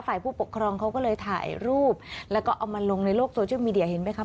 ฝ่ายผู้ปกครองเขาก็เลยถ่ายรูปแล้วก็เอามาลงในโลกโซเชียลมีเดียเห็นไหมคะ